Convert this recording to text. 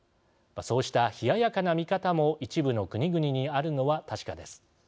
そうした冷ややかな見方も一部の国々にあるのは確かです。